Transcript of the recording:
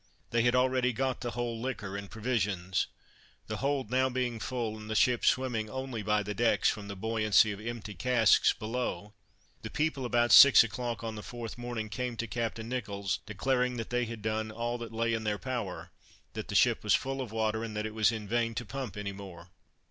They had already got the whole liquor and provisions. The hold now being full, and the ship swimming only by the decks from the buoyancy of empty casks below, the people, about six o'clock on the fourth morning, came to Captain Nicholls, declaring that they had done all that lay in their power, that the ship was full of water, and that it was in vain to pump any more.